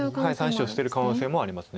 ３子を捨てる可能性もあります。